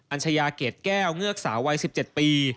ัญชายาเกรดแก้วเงือกสาววัย๑๗ปี